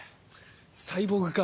サイボーグ化